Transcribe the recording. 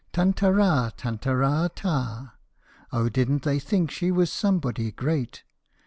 Tantara tantara ta ! Oh, didn't they think she was somebody great